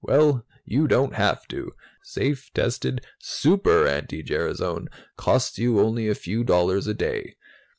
Well, you don't have to. Safe, tested Super anti gerasone costs you only a few dollars a day.